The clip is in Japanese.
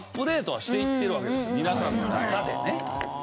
皆さんの中でね。